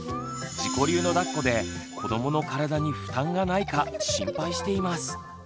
自己流のだっこで子どもの体に負担がないか心配しています。